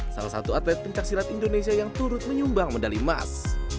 salah satu atlet pencaksilat indonesia yang turut menyumbang medali emas